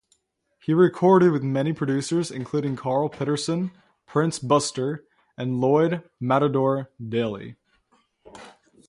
He recorded with many producers, including Karl Pitterson, Prince Buster, and Lloyd "Matador" Daley.